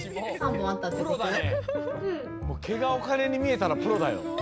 けがおかねにみえたらプロだよ。